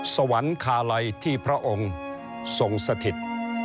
สวรรคาลัยที่พระองค์ทรงสถิต